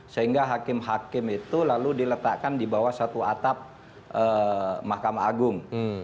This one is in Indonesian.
sehingga hakim hakim itu lalu diletakkan di bawah satu atap mahkamah agung